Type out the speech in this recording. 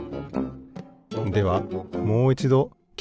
ではもういちどき